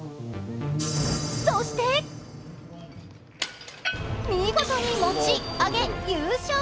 そして、見事に持ち上げ優勝。